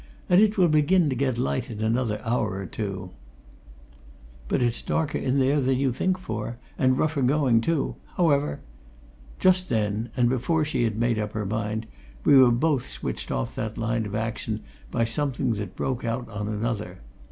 And it will begin to get light in another hour or so." "If you like to try it," I answered. "But it's darker in there than you think for, and rougher going, too. However " Just then, and before she had made up her mind, we were both switched off that line of action by something that broke out on another.